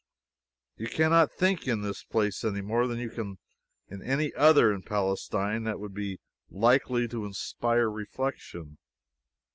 You can not think in this place any more than you can in any other in Palestine that would be likely to inspire reflection.